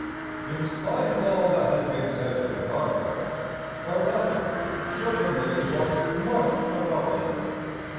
In spite of all that has been said to the contrary, Barabbas Certainly was not a publisher.